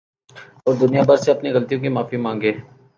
اور دنیا بھر سے اپنی غلطیوں کی معافی ما نگے